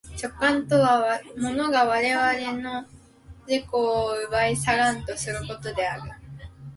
直観とは物が我々の自己を奪い去らんとすることである。